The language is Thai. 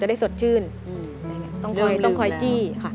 ได้สดชื่นต้องคอยต้องคอยจี้ค่ะ